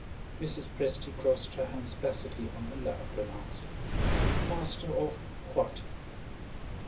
Mrs. Presty crossed her hands placidly on her lap, and asked: "Master of what?"